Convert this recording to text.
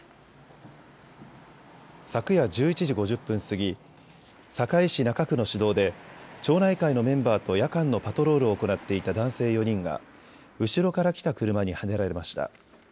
昨夜１１時５０分過ぎ、堺市中区の市道で町内会のメンバーと夜間のパトロールを行っていた男性４人が後ろから来た車にはねられました。